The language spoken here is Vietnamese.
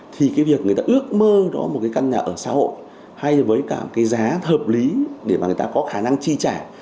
thì cái việc người ta ước mơ đó một cái căn nhà ở xã hội hay với cả cái giá hợp lý để mà người ta có khả năng chi trả